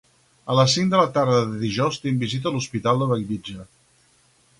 A les cinc de la tarda de dijous tinc visita a l'Hospital de Bellvitge.